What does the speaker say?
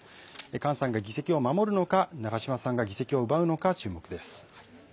菅さんが議席を守るのか、長島さんが議席を奪うのか注目です。